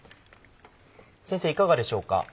先生いかがでしょうか？